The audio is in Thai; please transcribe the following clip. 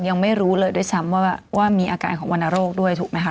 ยังไม่รู้เลยด้วยซ้ำว่ามีอาการของวรรณโรคด้วยถูกไหมคะ